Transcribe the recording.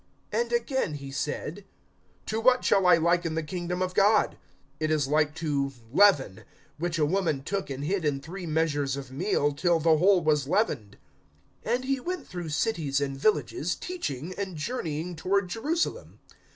(20)And again he said: To what shall I liken the kingdom of God? (21)It is like to leaven, which a woman took and hid in three measures of meal, till the whole was leavened. (22)And he went through cities and villages, teaching, and journeying toward Jerusalem.